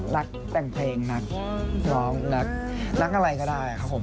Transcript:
แต่งเพลงนักร้องรักรักอะไรก็ได้ครับผม